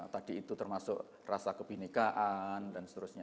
tadi itu termasuk rasa kebinekaan dan seterusnya